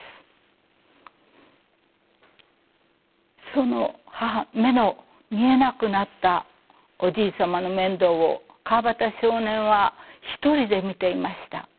その目の見えなくなったおじい様の面倒を川端少年は一人で見ていました。